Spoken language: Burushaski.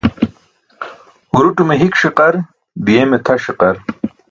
Huruṭume hik ṣiqar, di̇yeme tʰa ṣiqar.